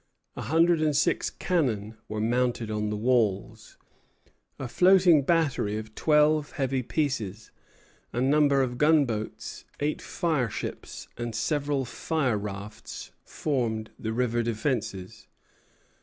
A hundred and six cannon were mounted on the walls. A floating battery of twelve heavy pieces, a number of gunboats, eight fireships, and several firerafts formed the river defences.